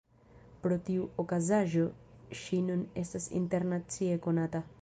Pro tiu okazaĵo ŝi nun estas internacie konata.